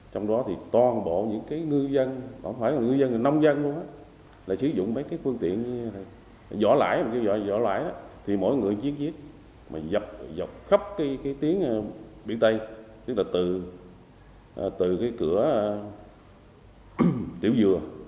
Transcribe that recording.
trong đó thì toàn bộ những ngư dân không phải ngư dân là nông dân luôn là sử dụng mấy cái phương tiện giỏ lãi thì mỗi người chiến viết mà dọc khắp cái tiến biển tây tức là từ cái cửa tiểu dừa